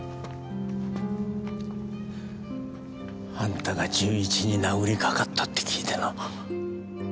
あんたが純一に殴りかかったって聞いてな。